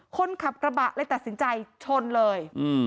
คนขับกระบะเลยตัดสินใจชนเลย